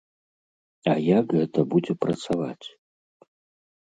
А як гэта будзе працаваць?